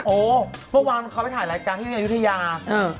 โอ้วเมื่อวานเขาไปถ่ายรายการที่วิทยาจะง่ายพน